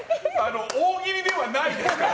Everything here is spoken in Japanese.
大喜利ではないですから。